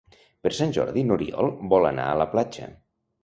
Per Sant Jordi n'Oriol vol anar a la platja.